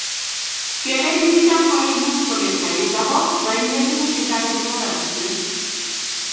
Kerei bik chechang kole imuchi koket garit ako moingen tuguk chechang chebo oratinwek